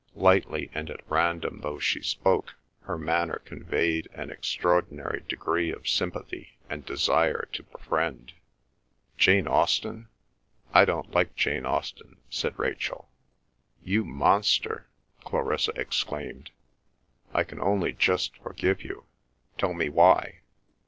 Lightly and at random though she spoke, her manner conveyed an extraordinary degree of sympathy and desire to befriend. "Jane Austen? I don't like Jane Austen," said Rachel. "You monster!" Clarissa exclaimed. "I can only just forgive you. Tell me why?"